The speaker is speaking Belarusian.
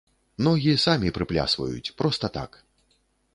Ногі самі прыплясваюць, проста так.